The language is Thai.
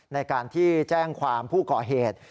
ในการที่แจ้งความผู้ก่อเหตุ